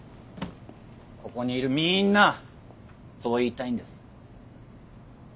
ここにいるみんなそう言いたいんです。